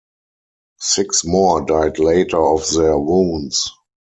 Six more died later of their wounds.